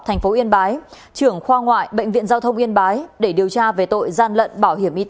thành phố yên bái trưởng khoa ngoại bệnh viện giao thông yên bái để điều tra về tội gian lận bảo hiểm y tế